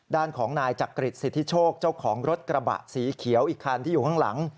ด้านของนายจักริจสิทธิโชคเจ้าของรถกระบะสีเขียวอีกคันที่อยู่ข้างหลัง